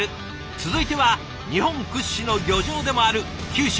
続いては日本屈指の漁場でもある九州